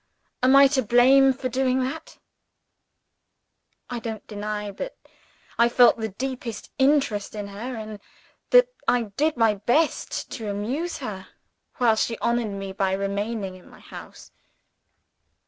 Am I to blame for doing that? I don't deny that I felt the deepest interest in her and that I did my best to amuse her, while she honored me by remaining in my house.